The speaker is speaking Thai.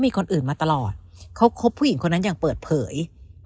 มีคนอื่นมาตลอดเขาคบผู้หญิงคนนั้นอย่างเปิดเผย